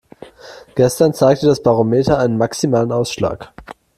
Gestern zeigte das Barometer einen maximalen Ausschlag.